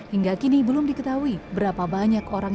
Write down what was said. hingga kini belum diketahui berapa banyak orang